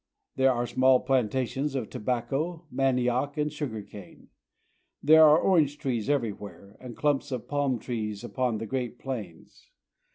There are small plantations of tobacco, manioc, and sugar cane. There are orange trees everywhere, and clumps of palm trees upon the great plains.